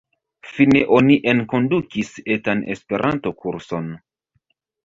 Fine oni enkondukis etan Esperanto kurson.